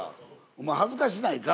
お前恥ずかしないか？